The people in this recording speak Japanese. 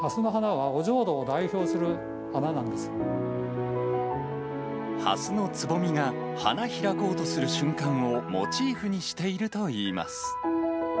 はすのつぼみが花開こうとする瞬間をモチーフにしているといいます。